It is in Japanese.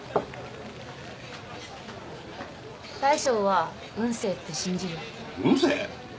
大将は運勢って信じる？運勢？